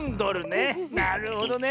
なるほどね。